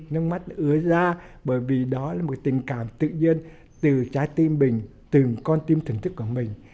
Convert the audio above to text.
nước mắt ứa ra bởi vì đó là một tình cảm tự nhiên từ trái tim mình từ con tim thần thức của mình